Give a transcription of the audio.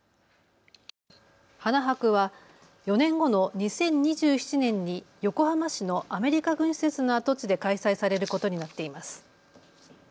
花博は４年後の２０２７年に横浜市のアメリカ軍施設の跡地で開催されることになっています。